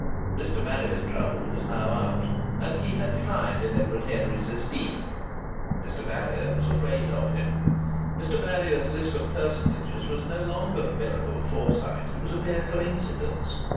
Mr. Marrier's trouble was now out, and he had declined in Edward Henry's esteem. Mr. Marrier was afraid of him. Mr. Marrier's list of personages was no longer a miracle of foresight; it was a mere coincidence.